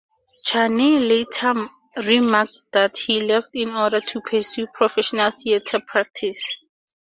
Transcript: Cheney later remarked that he left in order to pursue professional theatre practice.